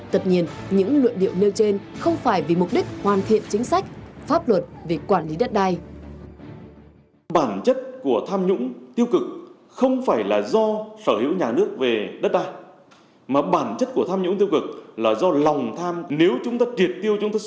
tất nhiên những luận điệu nêu trên không phải vì mục đích hoàn thiện chính sách pháp luật về quản lý đất đai